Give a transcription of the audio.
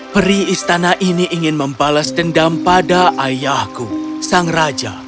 peri istana ini ingin membalas dendam pada ayahku sang raja